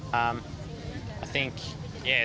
ya saya tidak mengerti